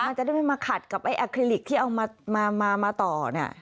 มันจะได้ไม่มาขัดกับไอ้อาคลิลิกที่เอามาต่อเนี่ย